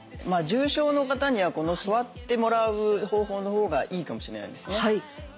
重症の方にはこの座ってもらう方法のほうがいいかもしれないですね。